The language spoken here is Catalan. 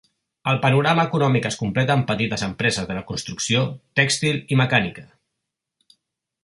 El panorama econòmic es completa amb petites empreses de la construcció, tèxtil i mecànica.